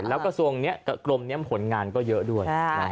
แล้วกระทรวงศึกษากับกลมเนี้ยมผลงานก็เยอะด้วย